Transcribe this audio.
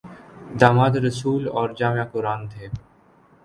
داماد رسول اور جامع قرآن تھے